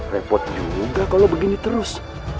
repot juga kalau begini terus